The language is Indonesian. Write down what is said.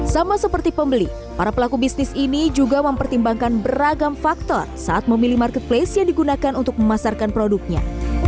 sama seperti pembeli para pelaku bisnis ini juga mempertimbangkan beragam faktor saat memilih marketplace yang digunakan untuk memasarkan produknya